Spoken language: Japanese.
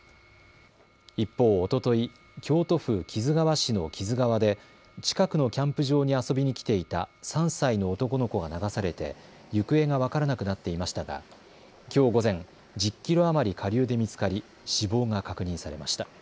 一方、おととい京都府木津川市の木津川で近くのキャンプ場に遊びに来ていた３歳の男の子が流されて行方が分からなくなっていましたが、きょう午前、１０キロ余り下流で見つかり死亡が確認されました。